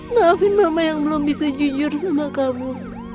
maafin mama yang belum bisa jujur sama kamu